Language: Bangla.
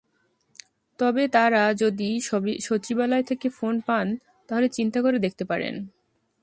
তবে তঁারা যদি সচিবালয় থেকে ফোন পান, তাহলে চিন্তা করে দেখতে পারেন।